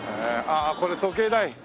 ああこれ時計台。